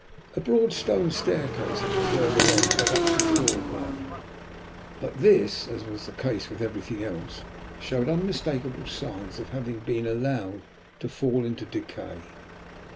A broad stone staircase at the further end led up to the floor above, but this, as was the case with everything else, showed unmistakable signs of having been allowed to fall to decay.